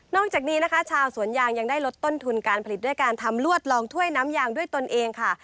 จากนี้นะคะชาวสวนยางยังได้ลดต้นทุนการผลิตด้วยการทำลวดลองถ้วยน้ำยางด้วยตนเองค่ะ